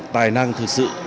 tài năng thực sự